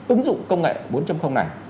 ứng dụng công nghệ bốn này